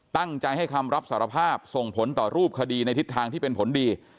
ตั้งใจให้คำรับสารภาพส่งผลต่อรูปคดีในทิศทางที่เป็นผลดี